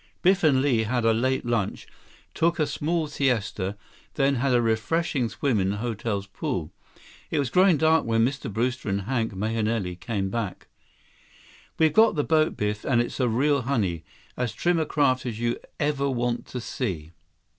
Biff and Li had a late lunch, took a small siesta, then had a refreshing swim in the hotel's pool. It was growing dark when Mr. Brewster and Hank Mahenili came back. "We've got the boat, Biff. And it's a real honey. As trim a craft as you'd ever want to see."